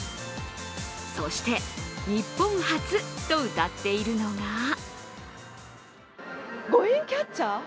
そして、日本初とうたっているのが５円キャッチャー！？